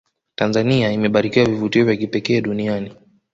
tanzania imebarikiwa vivutio vya kipekee duniani